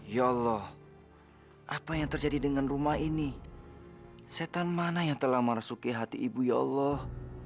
ya allah apa yang terjadi dengan rumah ini setan mana yang telah merasuki hati ibu ya allah